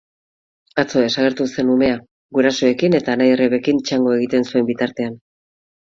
Atzo desagertu zen umea, gurasoekin eta anai-arrebekin txangoa egiten zuen bitartean.